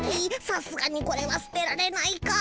さすがにこれは捨てられないか。